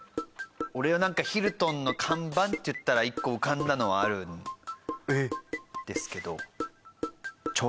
俺はなんかヒルトンの看板っていったら一個浮かんだのはあるんですけど。